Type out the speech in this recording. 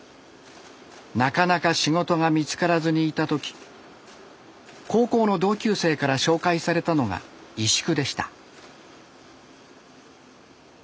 なかなか仕事が見つからずにいた時高校の同級生から紹介されたのが石工でした。